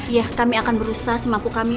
ya kami akan berusaha semampu kami